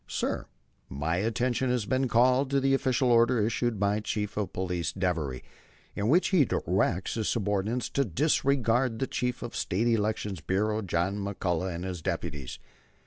Sir: My attention has been called to the official order issued by Chief of Police Devery, in which he directs his subordinates to disregard the Chief of the State Election Bureau, John McCullagh, and his deputies.